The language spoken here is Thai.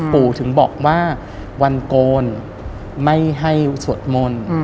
ถึงบอกว่าวันโกนไม่ให้สวดมนต์